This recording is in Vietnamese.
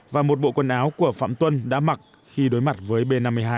một nghìn chín trăm bảy mươi hai và một bộ quần áo của phạm tuân đã mặc khi đối mặt với b năm mươi hai